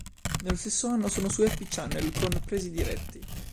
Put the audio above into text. Nello stesso anno sono su Happy Channel con "Presi Diretti".